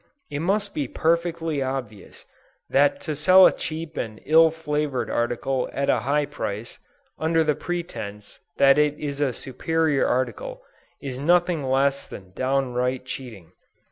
It must be perfectly obvious that to sell a cheap and ill flavored article at a high price, under the pretence that it is a superior article, is nothing less than downright cheating.